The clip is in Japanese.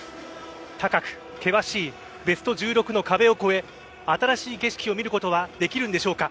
高く険しいベスト１６の壁を越え新しい景色を見ることはできるんでしょうか。